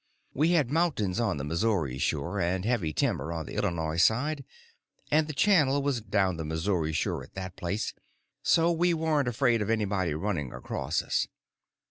We had mountains on the Missouri shore and heavy timber on the Illinois side, and the channel was down the Missouri shore at that place, so we warn't afraid of anybody running across us.